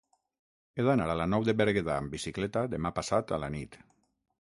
He d'anar a la Nou de Berguedà amb bicicleta demà passat a la nit.